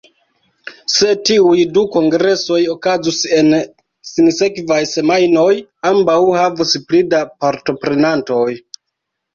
Se tiuj du kongresoj okazus en sinsekvaj semajnoj, ambaŭ havus pli da partoprenantoj.